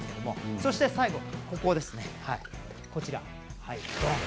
そして、最後こちら。